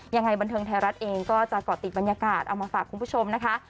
ยังไงบันเทิงไทยรัฐเองก็จะเกาะติดบรรยากาศเอามาฝากคุณผู้ชมนะคะ